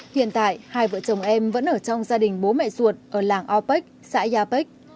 hiện tại hai vợ chồng em vẫn ở trong gia đình bố mẹ ruột ở làng opech xã yapech